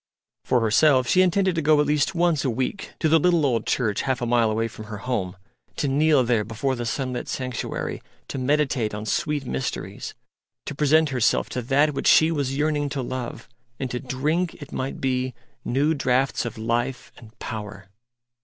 For herself she intended to go at least once a week to the little old church half a mile away from her home, to kneel there before the sunlit sanctuary, to meditate on sweet mysteries, to present herself to That which she was yearning to love, and to drink, it might be, new draughts of life and power.